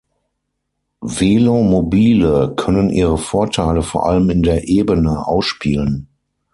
Velomobile können ihre Vorteile vor allem in der Ebene ausspielen.